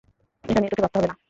এটা নিয়ে তোকে ভাবতে হবে না।